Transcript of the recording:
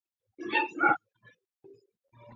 ტრიუმფალური თაღი ეყრდნობა კრონშტეინებს.